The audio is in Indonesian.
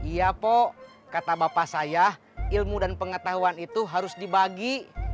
iya pok kata bapak saya ilmu dan pengetahuan itu harus dibagi